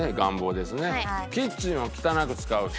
「キッチンを汚く使う人」